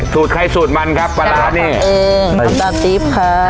สูตรใครสูตรมันครับปลาร้าเนี้ยเออน้ำปลาปี๊บค่ะอ๋อ